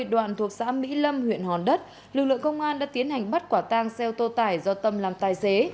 đoạn thuộc xã mỹ lâm huyện hòn đất lực lượng công an đã tiến hành bắt quả tang xe ô tô tải do tâm làm tài xế